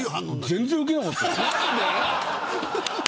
全然ウケなかったです。